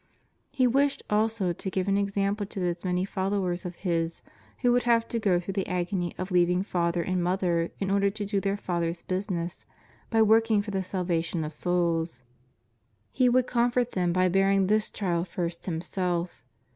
He wished also to give an example to those many followers of His who would have to go through the agony of leaving father and mother in order to do their Father's business by working for the salvation of souls. He would comfort them by bearing this trial first Him self.